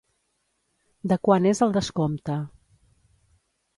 De quant és el descompte.